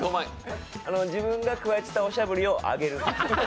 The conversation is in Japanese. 自分が加えてたおしゃぶりをあげる。